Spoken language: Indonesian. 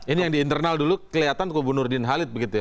ini yang di internal dulu kelihatan kubu nurdin halid begitu ya